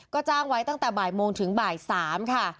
ก็จ้างไว้ตั้งแต่บ่ายโมงถึงบ่าย๓ค่ะ